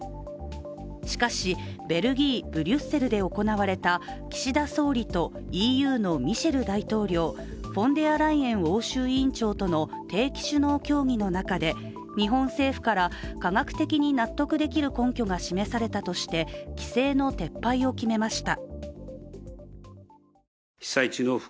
しかしベルギー・ブリュッセルで行われた岸田総理とＥＵのミシェル大統領、フォンデアライエン欧州委員長との定期首脳協議の中で日本政府から科学的に納得できる根拠が示されたとして規制の撤廃を決めました。